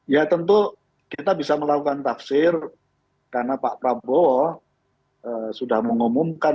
ya tentu kita bisa melakukan tafsir karena pak prabowo sudah mengumumkan